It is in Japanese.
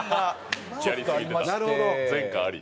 前科あり。